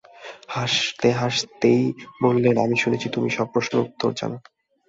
হাসতে-হাসতেই বললেন, আমি শুনেছি তুমি সব প্রশ্নের উত্তর জান।